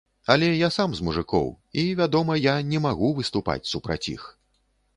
Але я сам з мужыкоў, і, вядома, я, не магу выступаць супраць іх.